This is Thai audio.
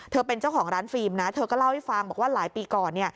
เป็นเจ้าของร้านฟิล์มนะเธอก็เล่าให้ฟังบอกว่าหลายปีก่อน